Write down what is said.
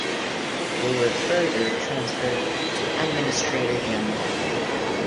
They were further transferred to Administrator General.